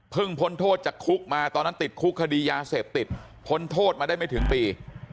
พ้นโทษจากคุกมาตอนนั้นติดคุกคดียาเสพติดพ้นโทษมาได้ไม่ถึงปี